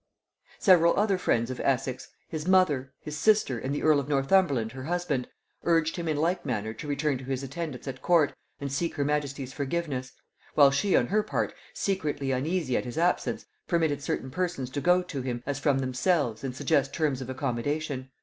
Several other friends of Essex, his mother, his sister and the earl of Northumberland her husband, urged him in like manner to return to his attendance at court and seek her majesty's forgiveness; while she, on her part, secretly uneasy at his absence, permitted certain persons to go to him, as from themselves, and suggest terms of accommodation.